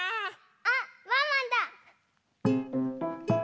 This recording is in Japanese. あっワンワンだ！